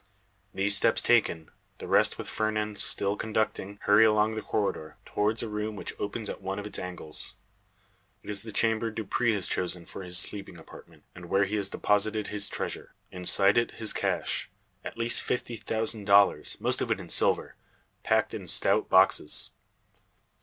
These steps taken, the rest, with Fernand still conducting, hurry along the corridor, towards a room which opens at one of its angles. It is the chamber Dupre has chosen for his sleeping apartment, and where he has deposited his treasure. Inside it his cash, at least fifty thousand dollars, most of it in silver, packed in stout boxes.